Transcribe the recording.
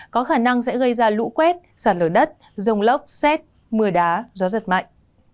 có khả năng sẽ gây ra lũ quét sạt lửa đất rồng lốc xét mưa đá gió giật mạnh